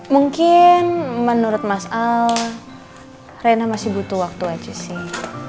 mungkin menurut mas al rena masih butuh waktu aja sih